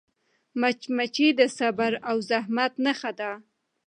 مچمچۍ د صبر او زحمت نښه ده